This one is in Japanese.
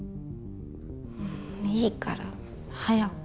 いいから早く